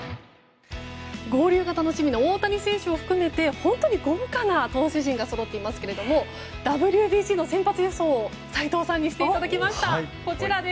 合流が楽しみの大谷選手を含めて本当に豪華な投手陣がそろっていますけれどもＷＢＣの先発予想を斎藤さんにしていただきました。